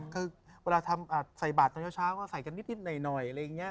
คือเวลาทำใส่บาทตอนเช้าก็ใส่กันนิดหน่อยอะไรอย่างนี้